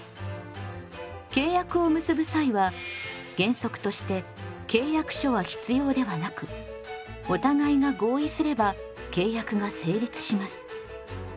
契約を結ぶ際は原則として契約書は必要ではなくお互いが合意すれば契約が成立します。